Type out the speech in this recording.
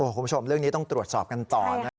โอ้คุณผู้ชมเรื่องนี้ต้องตรวจสอบกันต่อใช่